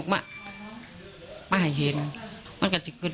ไม่รู้จริงว่าเกิดอะไรขึ้น